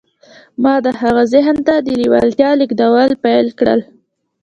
ما د هغه ذهن ته د لېوالتیا لېږدول پیل کړل